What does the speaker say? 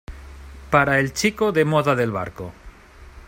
para el chico de moda del barco.